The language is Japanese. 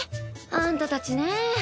あんたたちねぇ